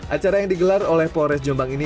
acara yang digelar oleh polres jombang ini